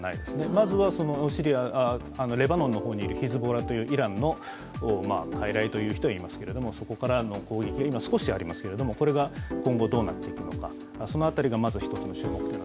まずはレバノンのヒズボラというイランの傀儡という人もいますけれどもそこからの攻撃も今少しありますけれども、これが今後どうなっていくのか、その辺りがまず１つです。